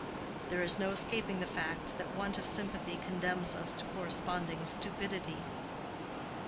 There is no escaping the fact that want of sympathy condemns us to corresponding stupidity.